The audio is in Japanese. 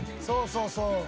そうそうそう。